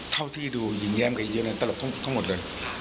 เท่าที่ดูหญิงแย้มกับอีเยือนตลกทั้งหมดเลย